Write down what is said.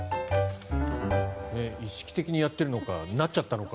意識的にやっているのかなっちゃったのか。